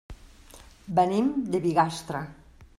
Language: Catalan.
Venim de Bigastre.